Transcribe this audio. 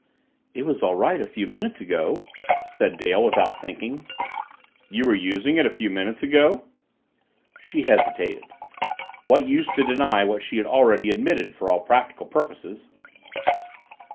"It was all right a few minutes ago," said Dale without thinking. "You were using it a few minutes ago?" She hesitated what use to deny what she had already admitted, for all practical purposes.